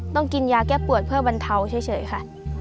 ต้องกินยาแก้ปวดเพื่อบรรเทาเฉยค่ะ